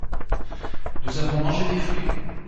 Nous avons mangé des fruits.